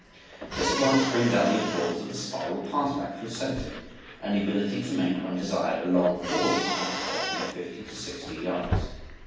This at once brings out the importance of the spiral pass back from center, and the ability to make, when desired, a long forward pass of from fifty to sixty yards.